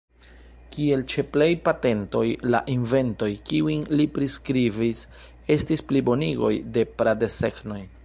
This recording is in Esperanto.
Kiel ĉe plej patentoj, la inventoj kiujn li priskribis estis plibonigoj de pra-desegnoj.